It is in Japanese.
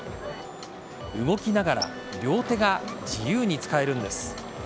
動きながら両手が自由に使えるんです。